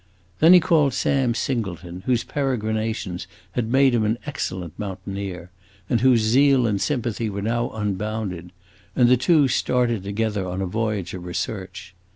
Then he called Sam Singleton, whose peregrinations had made him an excellent mountaineer, and whose zeal and sympathy were now unbounded, and the two started together on a voyage of research.